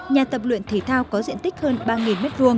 nhà tập luyện thể thao có diện tích hơn ba m hai